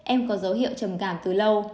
em có dấu hiệu trầm cảm từ lâu